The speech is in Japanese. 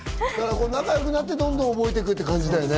仲良くなって覚えていくって感じだよね。